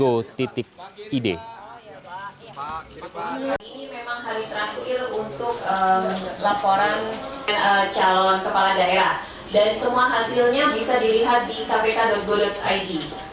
untuk laporan calon kepala daerah dan semua hasilnya bisa dilihat di kpk go id